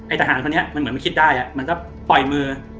ไอทหารพอเนี่ยมันเหมือนไม่คิดได้อะมันก็ปล่อยมือ